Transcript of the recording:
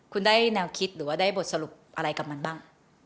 คุณได้แนวคิดหรือว่าได้บทสรุปอะไรกับมันบ้าง